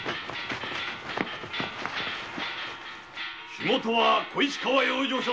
火元は小石川養生所だ！